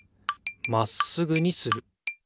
まっすぐにする。